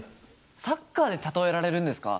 サッカーで例えられるんですか？